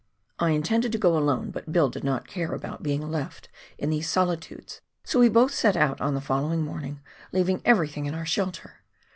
I intended to go alone, but Bill did not care about being left in these solitudes, so we both set out on the following morning, leaving everything in our shelter.